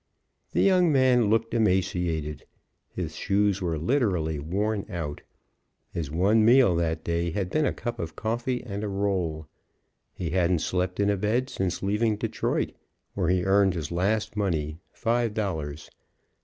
The young man looked emaciated, his shoes were literally worn out. His one meal that day had been a cup of coffee and a roll. He hadn't slept in a bed since leaving Detroit, where he earned his last money, five dollars.